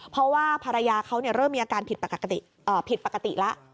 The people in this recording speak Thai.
เพราะว่าภรรยาเขาเริ่มมีอาการผิดปกติละ